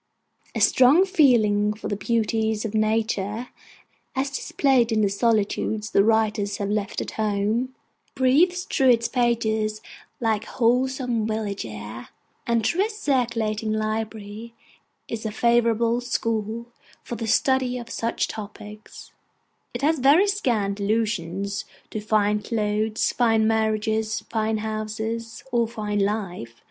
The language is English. A strong feeling for the beauties of nature, as displayed in the solitudes the writers have left at home, breathes through its pages like wholesome village air; and though a circulating library is a favourable school for the study of such topics, it has very scant allusion to fine clothes, fine marriages, fine houses, or fine life.